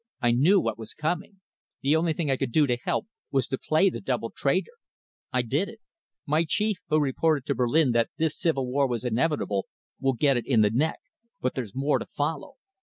I knew what was coming. The only thing I could do to help was to play the double traitor. I did it. My chief, who reported to Berlin that this civil war was inevitable, will get it in the neck, but there's more to follow.